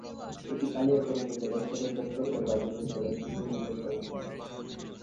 এটি কালিয়াকৈর উপজেলার সদরদপ্তর ও গাজীপুর জেলার তৃতীয় বৃহত্তম শহর।